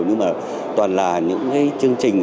nhưng mà toàn là những cái chương trình